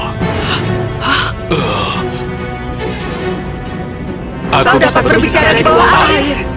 kita dapat berbicara di bawah air